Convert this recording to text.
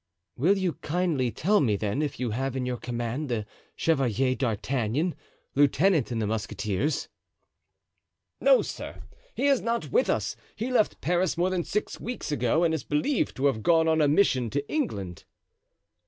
"Will you then kindly tell me if you have in your command the Chevalier d'Artagnan, lieutenant in the musketeers?" "No, sir, he is not with us; he left Paris more than six weeks ago and is believed to have gone on a mission to England."